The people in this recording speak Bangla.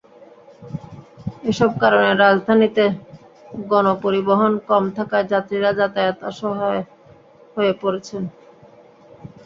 এসব কারণে রাজধানীতে গণপরিবহন কম থাকায় যাত্রীরা যাতায়াতে অসহায় হয়ে পড়েছেন।